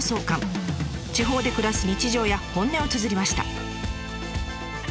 地方で暮らす日常や本音をつづりました。